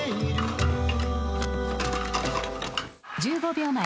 １５秒前。